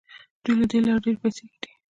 دوی له دې لارې ډیرې پیسې ګټي.